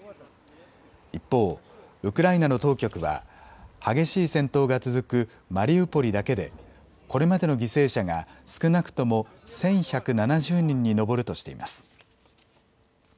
一方、ウクライナの当局は激しい戦闘が続くマリウポリだけでこれまでの犠牲者が少なくとも１１７０人に上るとしています。